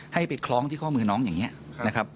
ให้ไปคล้องที่ข้อมือน้องอย่างนี้นะครับ